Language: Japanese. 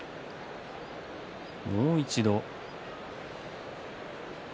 もう一度。